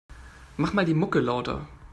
Mach mal die Mucke lauter.